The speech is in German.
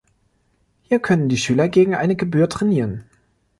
Hier können die Schüler gegen eine Gebühr trainieren.